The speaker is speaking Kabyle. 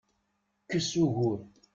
Kkes ugur!